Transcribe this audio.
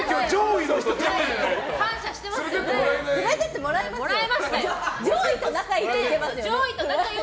連れてってもらいましたよ。